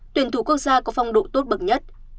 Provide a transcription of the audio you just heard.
tuyển thủ quốc gia có phong độ tốt bậc nhất